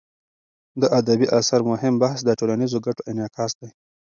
د ادبي اثر مهم بحث د ټولنیزو ګټو انعکاس دی.